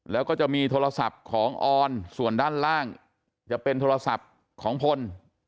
แล้วก็จะมีโทรศัพท์ของออนส่วนด้านล่างจะเป็นโทรศัพท์ของพล